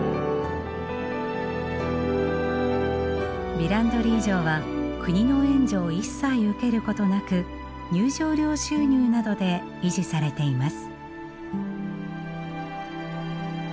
ヴィランドリー城は国の援助を一切受けることなく入場料収入などで維持されています。